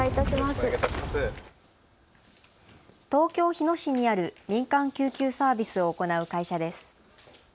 東京日野市にある民間救急サービスを行う会社です。